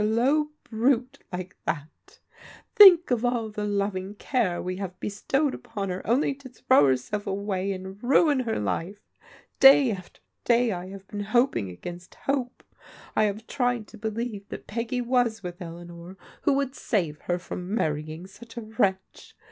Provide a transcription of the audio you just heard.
^ 168 PBODIGAL DAUGHTERS low brute like that ; think of all the loving care we hav^ bestowed upon her only to throw herself away, and ruia her life! Day after day I have been hoping against hope. I have tried to believe that Peggy was with Elea nor, who would save her from marrying such a wretch.